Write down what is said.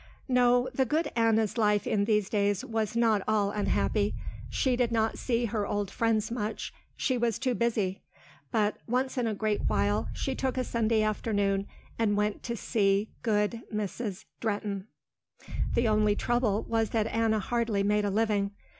No, the good Anna's life in these days was not all unhappy. She did not see her old friends much, she was too busy, but once in a great while she took a Sunday afternoon and went to see good Mrs. Drehten. The only trouble was that Anna hardly made a living.